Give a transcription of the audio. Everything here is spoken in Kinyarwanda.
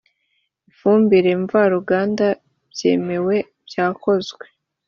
ifumbire mvaruganda byemewe byakozwe